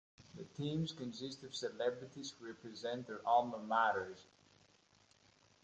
The teams consist of celebrities who represent their alma maters.